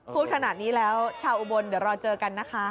พูดขนาดนี้แล้วชาวอุบลเดี๋ยวรอเจอกันนะคะ